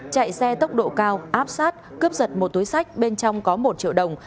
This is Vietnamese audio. chạy xe tốc độ cao áp sát cướp giật một túi sách bên trong có một triệu đồng